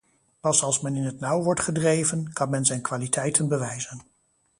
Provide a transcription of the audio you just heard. Pas als men in het nauw wordt gedreven, kan men zijn kwaliteiten bewijzen.